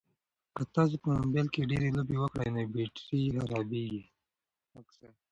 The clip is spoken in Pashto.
که تاسي په موبایل کې ډېرې لوبې وکړئ نو بېټرۍ یې خرابیږي.